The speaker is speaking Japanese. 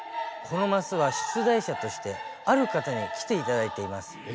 このマスは出題者としてある方に来ていただいています。